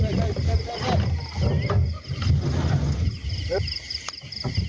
อ่ะเรียบร้อย